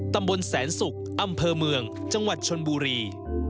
ตำบลแสนศุกร์อำเภอเมืองจังหวัดชนบุรี